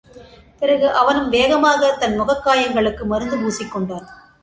பிறகு, அவனும் வேகமாகத் தன் முகக்காயங்களுக்கு மருந்து பூசிக்கொண்டான்.